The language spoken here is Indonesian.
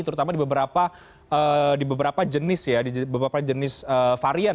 terutama di beberapa jenis ya di beberapa jenis varian